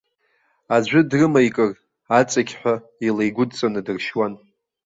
Аӡәы дрымаикыр, аҵықьҳәа илаигәыдҵаны дыршьуан.